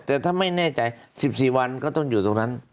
แต่ถ้าไม่แน่ใจ๑๔วันก็ต้องอยู่ตรงนั้น